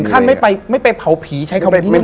นี่ถึงขั้นไม่ไปเผาผีใช้คำว่าที่นี่เลย